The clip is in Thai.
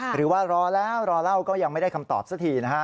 หรือว่ารอแล้วรอเล่าก็ยังไม่ได้คำตอบสักทีนะฮะ